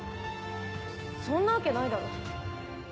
そんなわけないだろ。